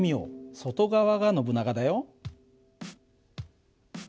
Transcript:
外側がノブナガだよ。